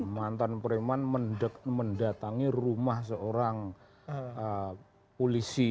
mantan preman mendatangi rumah seorang polisi